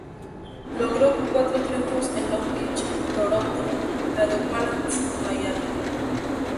Logró cuatro triunfos en Long Beach, Toronto, Meadowlands y Miami.